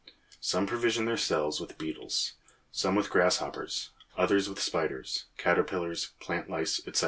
Some provision their cells with beetles, some with grasshoppers, others with spiders, caterpillars, plant lice, etc.